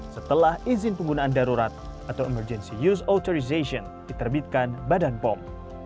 setelah izin penggunaan darurat atau emergency use authorization diterbitkan badan pom